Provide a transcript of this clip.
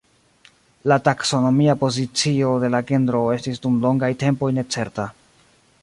La taksonomia pozicio de la genro estis dum longaj tempoj necerta.